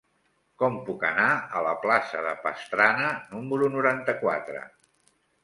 Com puc anar a la plaça de Pastrana número noranta-quatre?